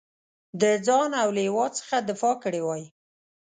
د ځان او له هیواد څخه دفاع کړې وای.